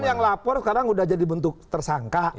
yang lapor sekarang sudah jadi bentuk tersangka